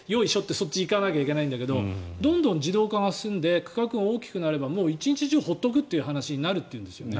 そっちに行かないといけないんだけどどんどん自動化が進んで区画が大きくなれば一日中、放っておくという話になるんですね。